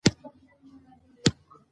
هغه د اسرائیلو لومړي وزیر ولید.